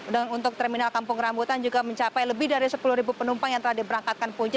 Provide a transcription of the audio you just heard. dan untuk terminal kampung rambutan juga mencapai lebih dari sepuluh penumpang yang telah diberangkatkan punce